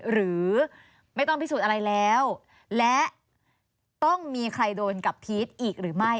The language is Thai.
หรือไม่ต้องพิสูจน์อะไรแล้วและต้องมีใครโดนกับพีชอีกหรือไม่